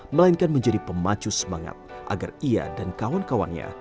melainkan menjadi pemacu semangat agar ia dan kawan kawannya